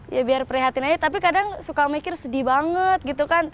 ya biar prihatin aja tapi kadang suka mikir sedih banget gitu kan